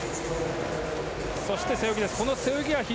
そして、背泳ぎです。